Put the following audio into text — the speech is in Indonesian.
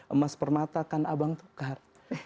emas permata kan abang tukar